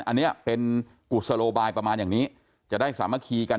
อันนี้เป็นกุศโลบายประมาณอย่างนี้จะได้สามัคคีกัน